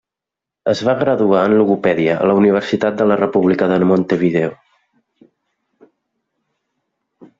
Es va graduar en logopèdia a la Universitat de la República de Montevideo.